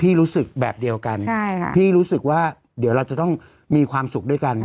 รู้สึกแบบเดียวกันพี่รู้สึกว่าเดี๋ยวเราจะต้องมีความสุขด้วยกัน